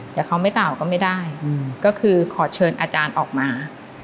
แต่เขาไม่กล่าวก็ไม่ได้ก็คือขอเชิญอาจารย์ออกมา